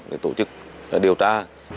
để tổ chức điều tra